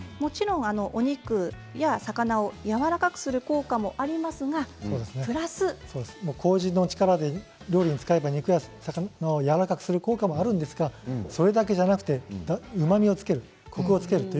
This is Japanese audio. お肉や魚をやわらかくする効果も、もちろんあるんですがこうじの力で料理に使えば肉や魚をやわらかくする効果だけではなくてうまみをつける、コクをつける。